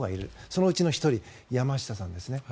そのうちの１人山下さんですね。